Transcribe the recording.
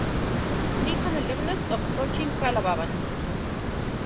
He is an alumnus of Cochin Kalabhavan.